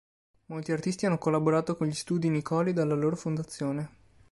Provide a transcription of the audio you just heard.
Molti artisti hanno collaborato con gli studi Nicoli dalla loro fondazione.